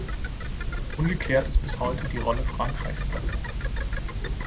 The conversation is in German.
Ungeklärt ist bis heute die Rolle Frankreichs dabei.